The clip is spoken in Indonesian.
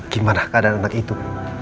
gimana keadaan anak itu